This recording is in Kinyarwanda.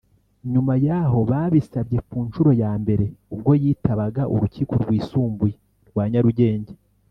nyuma y’aho babisabye ku nshuro ya mbere ubwo yitabaga Urukiko rwisumbuye rwa Nyarugenge